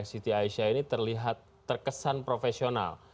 siti aisyah ini terlihat terkesan profesional